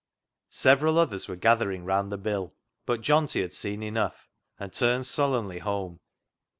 Several others were gathering round the bill, but Johnty had seen enough, and turned sullenly home.